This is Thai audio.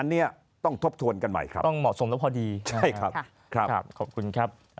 อันนี้ต้องทบทวนกันใหม่ครับต้องเหมาะสมแล้วพอดีใช่ครับครับขอบคุณครับ